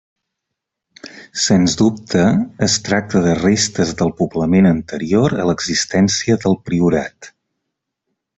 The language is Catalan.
Sens dubte, es tracta de restes del poblament anterior a l'existència del priorat.